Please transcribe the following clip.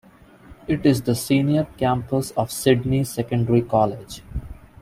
It is the senior campus of Sydney Secondary College.